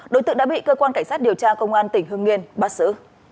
đối tượng đã bị cơ quan cảnh sát điều tra công an tỉnh hương yên bắt xử